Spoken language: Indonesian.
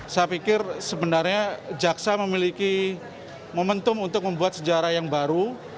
saya pikir sebenarnya jaksa memiliki momentum untuk membuat sejarah yang baru